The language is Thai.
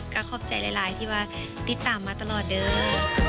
ก็ขอบใจหลายที่ว่าติดตามมาตลอดเด้อ